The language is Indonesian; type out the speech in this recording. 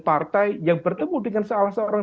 partai yang bertemu dengan salah seorang